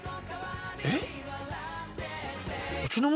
えっ？